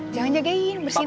jangan jagain bersihin aja